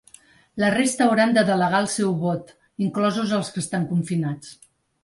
La resta hauran de delegar el seu vot, inclosos els que estan confinats.